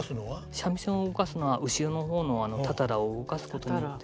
三味線を動かすのは後ろの方のたたらを動かすことによって。